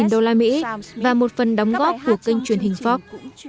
năm trăm linh đô la mỹ và một phần đóng góp của kênh truyền hình fox